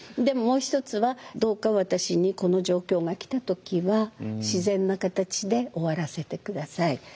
でもう一つはどうか私にこの状況が来た時は自然な形で終わらせて下さい。